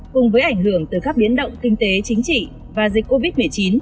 cùng với ảnh hưởng từ các biến động kinh tế chính trị và dịch covid một mươi chín